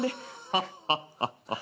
ダッハッハッハ。